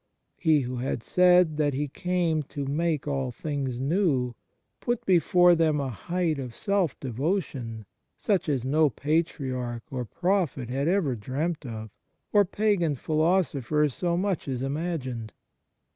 He who had said that He came to make all things new put before them a height of self devotion such as no patriarch or prophet had ever dreamt of, or pagan philosopher so much as imagined.